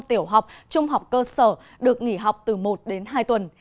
tiểu học trung học cơ sở được nghỉ học từ một đến hai tuần